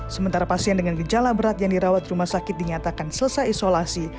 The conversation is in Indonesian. sementara pasien dengan gejala berat yang dirawat rumah sakit dinyatakan selesai isolasi